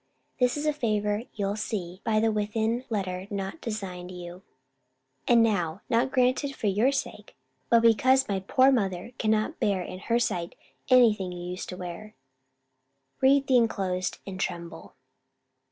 This is a favour you'll see by the within letter not designed you: and now not granted for your sake, but because my poor mother cannot bear in her sight any thing you used to wear. Read the enclosed, and tremble.